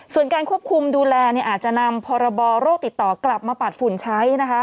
ส่วนการควบคุมดูแลอาจจะนำพรบโรคติดต่อกลับมาปัดฝุ่นใช้นะคะ